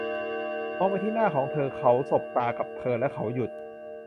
มองไปที่หน้าของเธอ เขาสบตากับเธอ และเขาหยุด